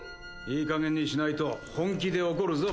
いい加減にしないと本気で怒るぞ